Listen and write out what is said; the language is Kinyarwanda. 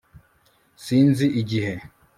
sinzi igihe